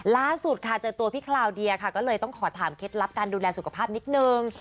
ล่าสุดค่ะเจอตัวพี่คลาวเดียค่ะก็เลยต้องขอถามเคล็ดลับการดูแลสุขภาพนิดนึง